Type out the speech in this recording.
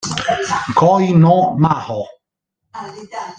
Koi no mahō